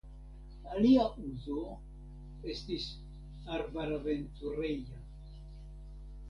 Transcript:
Alia uzo estis arbaraventureja.